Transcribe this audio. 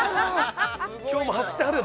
今日も走ってはるよ